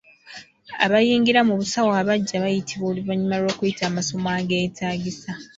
Abayingira mu busawo abaggya bayitibwa oluvannyuma lw'okuyita amasomo ageetaagisa.